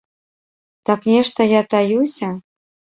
Так нешта я таюся?!